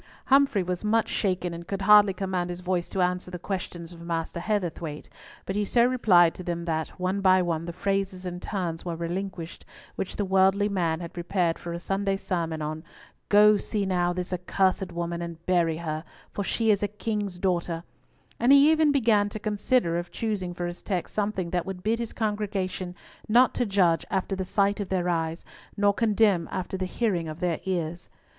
Humfrey was much shaken and could hardly command his voice to answer the questions of Master Heatherthwayte, but he so replied to them that, one by one, the phrases and turns were relinquished which the worthy man had prepared for a Sunday's sermon on "Go see now this accursed woman and bury her, for she is a king's daughter," and he even began to consider of choosing for his text something that would bid his congregation not to judge after the sight of their eyes, nor condemn after the hearing of their ears.